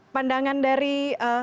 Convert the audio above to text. pandangan dari tuhan